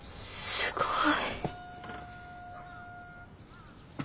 すごい。